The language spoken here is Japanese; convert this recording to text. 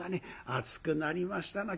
「暑くなりましたな」。